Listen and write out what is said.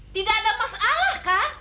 tidak ada masalah kan